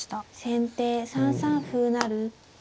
先手３三歩成。